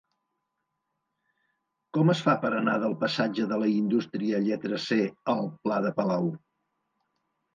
Com es fa per anar del passatge de la Indústria lletra C al pla de Palau?